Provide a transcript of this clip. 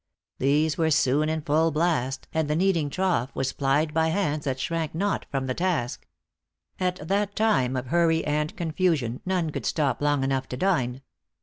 These were soon in full blast, and the kneading trough was plied by hands that shrank not from the task. At that time of hurry and confusion, none could stop long enough to dine.